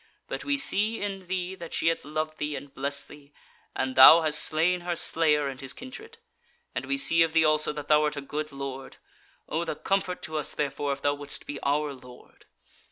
But we see in thee, that she hath loved thee and blessed thee, and thou hast slain her slayer and his kindred. And we see of thee also that thou art a good lord. O the comfort to us, therefore, if thou wouldest be our Lord!